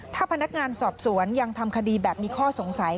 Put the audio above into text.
ถ้าพนักงานสอบสวนยังทำคดีแบบมีข้อสงสัย